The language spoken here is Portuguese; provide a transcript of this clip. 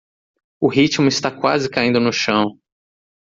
O ritmo está quase caindo no chão